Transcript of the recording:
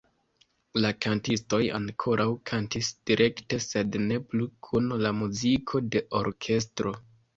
La kantistoj ankoraŭ kantis direkte sed ne plu kun la muziko de orkestro.